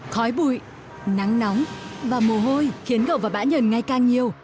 khói bụi nắng nóng và mù hôi khiến gậu và bã nhờn ngay càng nhiều